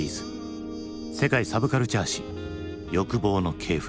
「世界サブカルチャー史欲望の系譜」。